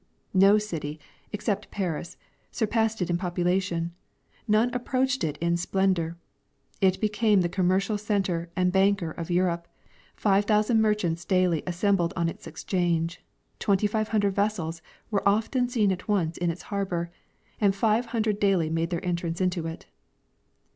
No city, except Paris, surpassed it in population, none approached it in splendor. It became the commercial center and banker of Europe ; five thousand merchants daily assembled on its exchange ; twenty five hundred vessels were oftei> seen at once in its harbor, and five hundred daily made their entrance into it.